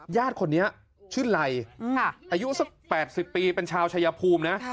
ญาติคนนี้ชื่อไรอายุสัก๘๐ปีเป็นชาวชายภูมินะ